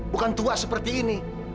bukan tua seperti ini